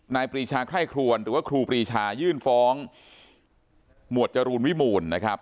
ปรีชาไคร่ครวนหรือว่าครูปรีชายื่นฟ้องหมวดจรูลวิมูลนะครับ